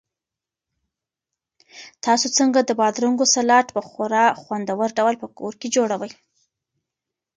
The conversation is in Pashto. تاسو څنګه د بادرنګو سالاډ په خورا خوندور ډول په کور کې جوړوئ؟